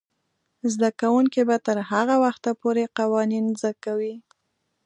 زده کوونکې به تر هغه وخته پورې قوانین زده کوي.